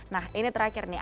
nah ini terakhir nih